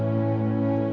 alah sama aja